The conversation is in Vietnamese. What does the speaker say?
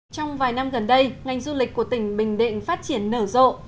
trong vài năm gần đây ngành du lịch của tỉnh bình định phát triển nở rộ